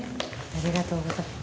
ありがとうございます。